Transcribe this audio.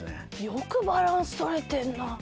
よくバランス取れてんな。